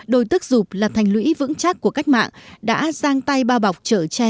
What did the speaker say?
đồi tức dục là thành lũy vững chắc của cách mạng đã giang tay bao bọc trở che